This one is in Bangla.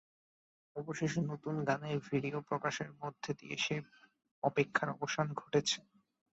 অবশেষে নতুন গানের ভিডিও প্রকাশের মধ্য দিয়ে সেই অপেক্ষার অবসান ঘটেছে।